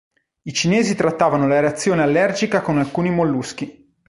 I Cinesi trattavano la reazione allergica con alcuni molluschi.